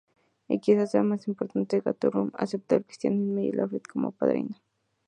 Y, quizá sea más importante, Guthrum aceptó el Cristianismo y a Alfredo como padrino.